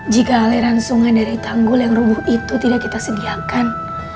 jika aliran sungai dari tanggul yang rubuh itu tidak kita sediakan